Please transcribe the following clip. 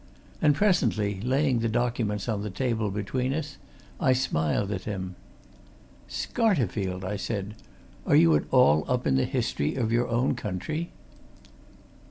And presently, laying the documents on the table between us, I smiled at him. "Scarterfield!" I said. "Are you at all up in the history of your own country?"